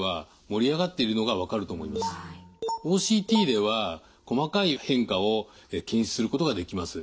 ＯＣＴでは細かい変化を検出することができます。